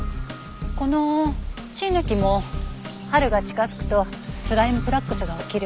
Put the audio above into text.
このシイの木も春が近づくとスライム・フラックスが起きる。